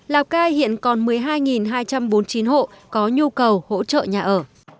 lào cai hiện còn một mươi hai hai trăm bốn mươi chín hộ có nhu cầu hỗ trợ nhà ở